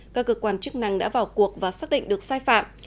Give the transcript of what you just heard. các cơ quan chức năng đã vào cuộc và xác định được sai phạm